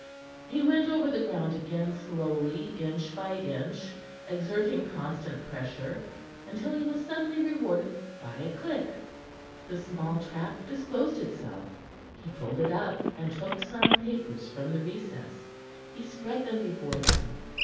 He went over the ground again slowly, inch by inch, exerting constant pressure, until he was suddenly rewarded by a click. The small trap disclosed itself. He pulled it up, and took some papers from the recess. He spread them before him.